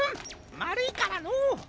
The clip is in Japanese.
まるいからのう。